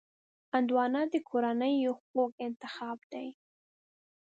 هندوانه د کورنیو خوږ انتخاب دی.